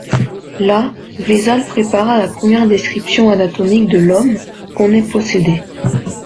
Là, Vésale prépara la première description anatomique de l'homme qu'on ait possédée.